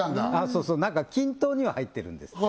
そうそう何か均等には入ってるんです